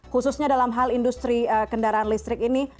khususnya dalam hal industri kendaraan listrik ini